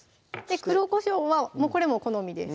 黒こしょうはこれも好みです